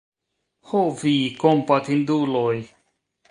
Ho, vi kompatinduloj!